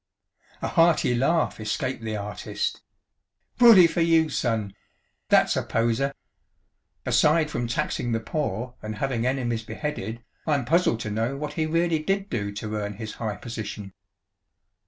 A hearty laugh escaped the artist. "Bully for you, Son! That's a poser! Aside from taxing the poor and having enemies beheaded, I'm puzzled to know what he really did do to earn his high position."